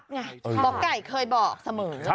บ้านก้ายเคยบอกเสมอ